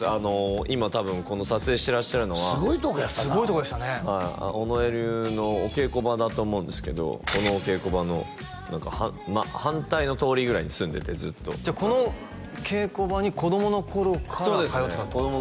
今多分この撮影してらっしゃるのはすごいとこやったなすごいとこでしたね尾上流のお稽古場だと思うんですけどこのお稽古場の反対の通りぐらいに住んでてずっとじゃあこの稽古場に子供の頃から通ってたってことですか？